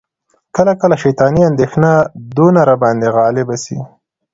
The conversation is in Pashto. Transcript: کله کله شیطاني اندیښنه دونه را باندي غالبه سي،